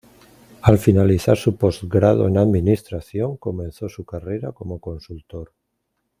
Al finalizar su postgrado en administración, comenzó su carrera como consultor.